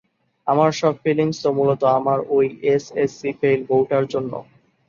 আমার সব ফিলিংস তো মূলত আমার ঐ এস এস সি ফেইল বউটার জন্যে।